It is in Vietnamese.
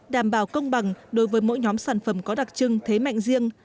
đảm bảo công bằng đối với mỗi nhóm sản phẩm có đặc trưng thế mạnh riêng